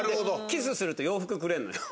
キスすると洋服くれるのよ。